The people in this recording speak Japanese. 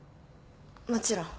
もちろん。